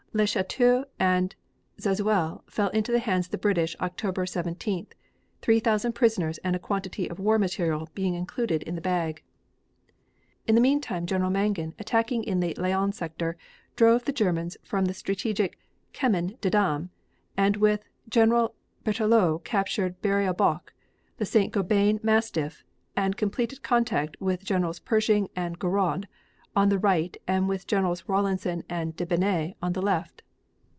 Le Cateau and Zazeuel fell into the hands of the British October 17th, three thousand prisoners and a quantity of war material being included in the bag. In the meantime General Mangin attacking in the Laon sector, drove the Germans from the strategic Chemin des Dames and with General Berthelot captured Berry au Bac, the St. Gobain massif and completed contact with Generals Pershing and Gouraud on the right and with Generals Rawlinson and Debeney on the left.